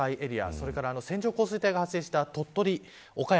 それから線状降水帯が発生した鳥取、岡山